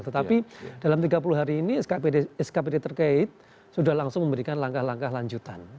tetapi dalam tiga puluh hari ini skpd terkait sudah langsung memberikan langkah langkah lanjutan